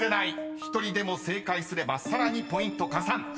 ［１人でも正解すればさらにポイント加算］